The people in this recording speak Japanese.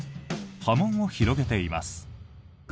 波紋を広げています。